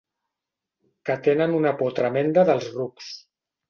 Que tenen una por tremenda dels rucs.